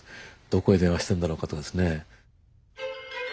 どこへ電話してるんだろうかとかですね。